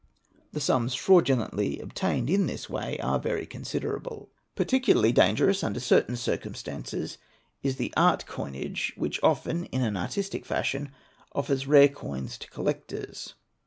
The sums fraudulently obtained in this way are very considerable. Particularly dangerous, under certain circumstances, is the art coinage which often in an artistic fashion offers rare coins to collectors.